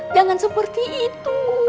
jangan seperti itu